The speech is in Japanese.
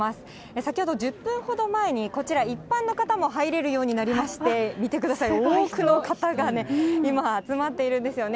先ほど１０分ほど前にこちら、一般の方も入れるようになりまして、見てください、多くの方がね、今、集まっているんですよね。